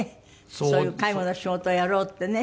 そういう介護の仕事をやろうってね。